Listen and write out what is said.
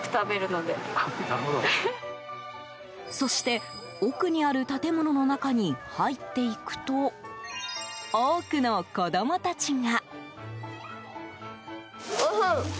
そして奥にある建物の中に入っていくと多くの子供たちが。